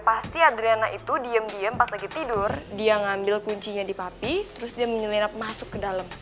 pasti adriana itu diem diem pas lagi tidur dia ngambil kuncinya di papi terus dia menyelirap masuk ke dalam